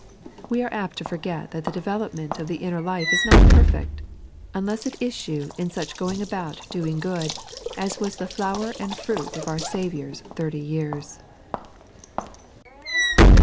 We are apt to forget that the development of the inner life is not perfect, iinlesa it iesue in such going about doing good, as was the flower and fruit of our Saviour's thirty years.